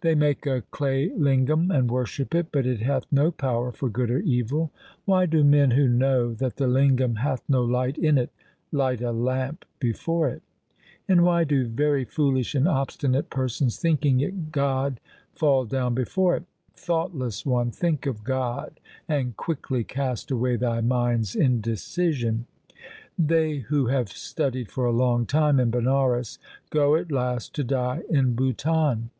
They make a clay lingam and worship it, but it hath no power for good or evil. Why do men who know that the lingam hath no light in it, light a lamp before it ? And why do very foolish and obstinate persons thinking it God fall down before it ? Thoughtless one, think of God and quickly cast away thy mind's indecision. They who have studied for a long time in Banaras go at last to die in Bhutan.